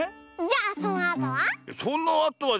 じゃあそのあとは？